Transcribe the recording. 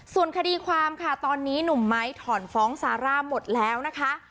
ส่วนคดีความค่ะตอนนี้หนุ่มไม้ถอนฟ้องซาร่าหมดแล้วนะคะ